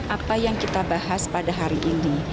apa yang kita bahas pada hari ini